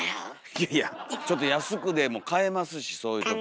いやいやちょっと安くでも買えますしそういうときは。